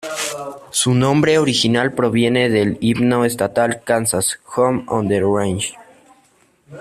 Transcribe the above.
Su nombre original proviene del himno estatal de Kansas, "Home on the Range".